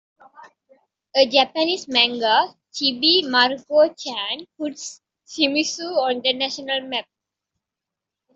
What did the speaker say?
A Japanese manga, "Chibi Maruko-chan" put Shimizu on the national map.